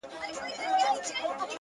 چي لــه ژړا سره خبـري كوم!